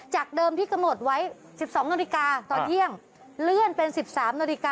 จากเดิมที่กำหนดไว้๑๒นตอนเยี่ยงเลื่อนเป็น๑๓น